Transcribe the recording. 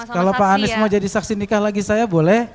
kalau pak anies mau jadi saksi nikah lagi saya boleh